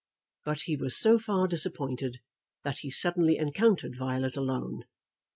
But he was so far disappointed, that he suddenly encountered Violet alone.